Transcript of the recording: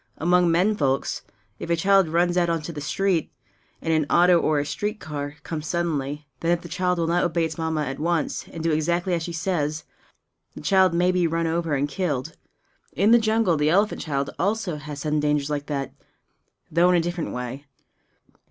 Among men folks, if a child runs out into the street, and an auto or a street car comes suddenly, then if the child will not obey its Mamma at once and do exactly as she says, the child may be run over and killed. In the jungle the elephant child also has sudden dangers like that, though in a different way.